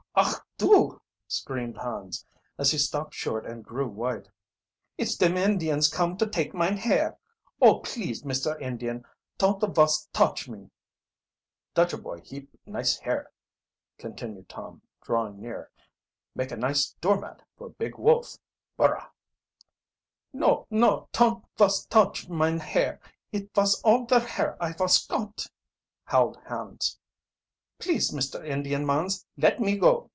"Ach du!" screamed Hans, as he stopped short and grew white. "It's dem Indians come to take mine hair! Oh, please, Mister Indian, ton't vos touch me!" "Dutcha boy heap nice hair," continued Tom, drawing nearer. "Maka nice door mat for Big Wolf. Burra!" "No, no; ton't vos touch mine hair it vos all der hair I vos got!" howled Hans. "Please, Mister Indian mans, let me go!"